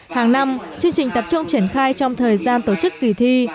hàng năm chương trình tập trung triển khai trong thời gian tổ chức kỳ thi